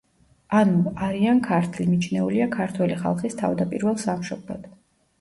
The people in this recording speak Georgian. ანუ არიან-ქართლი მიჩნეულია ქართველი ხალხის თავდაპირველ სამშობლოდ.